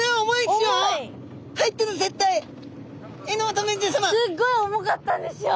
すっごい重かったんですよ！